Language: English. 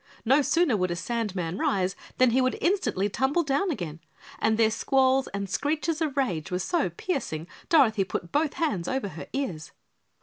No sooner would a sandman rise than he would instantly tumble down again, and their squalls and screeches of rage were so piercing Dorothy put both hands over her ears.